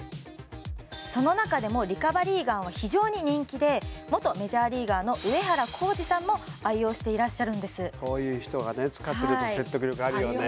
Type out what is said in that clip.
その中でもリカバリーガンは非常に人気で元メジャーリーガーの上原浩治さんも愛用していらっしゃるんですこういう人が使うと説得力あるあるよね